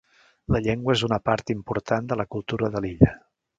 La llengua és una part important de la cultura de l'illa.